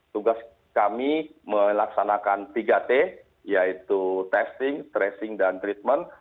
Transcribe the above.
tugas kami melaksanakan tiga t yaitu testing tracing dan treatment